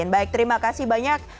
baik terima kasih banyak